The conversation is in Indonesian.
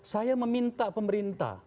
saya meminta pemerintah